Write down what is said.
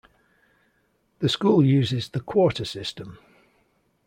The school uses the quarter system.